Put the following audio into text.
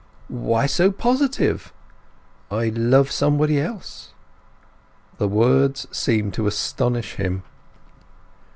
"Why so positive?" "I love somebody else." The words seemed to astonish him.